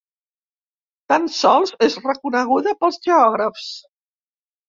Tan sols és reconeguda pels geògrafs.